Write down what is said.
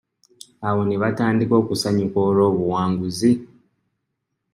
Awo ne batandika okusanyuka olw'obuwanguzi.